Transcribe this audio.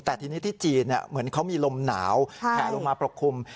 แต่ทีนี้ที่จีนเหมือนเขามีลมหนาวแผลลงมาปกคลุม